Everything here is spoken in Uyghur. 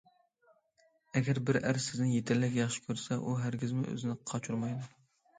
ئەگەر بىر ئەر سىزنى يېتەرلىك ياخشى كۆرسە، ئۇ ھەرگىزمۇ ئۆزىنى قاچۇرمايدۇ.